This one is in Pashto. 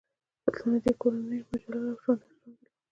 سلطنتي کورنۍ مجلل او شانداره ژوند درلود.